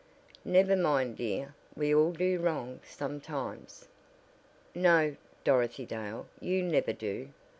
"Never mind dear. We all do wrong sometimes " "No, Dorothy Dale, you never do.